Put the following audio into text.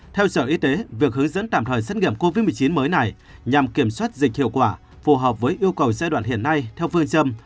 theo sở y tế việc hướng dẫn tạm thời xét nghiệm covid một mươi chín mới này nhằm kiểm soát dịch hiệu quả phù hợp với yêu cầu giai đoạn hiện nay theo phương châm